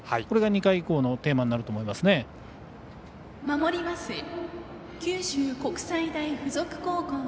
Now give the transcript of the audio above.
これが２回以降のテーマになると思います。